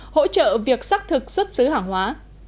hỗ trợ việc xác thực xuất xứ hàng hóa